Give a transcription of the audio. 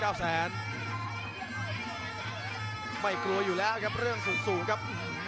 อาร์ฟแล้วครับ